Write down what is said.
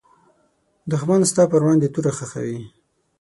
دښمن ستا پر وړاندې توره خښوي